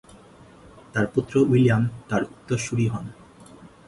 তার পুত্র উইলিয়াম তার উত্তরসুরি হন।